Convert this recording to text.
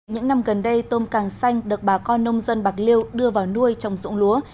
những năm gần đây tôm càng xanh được bà con nông dân bạc liêu đưa vào nuôi trồng dụng lúa